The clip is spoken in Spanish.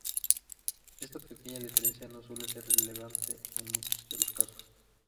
Esta pequeña diferencia no suele ser relevante en muchos de los casos.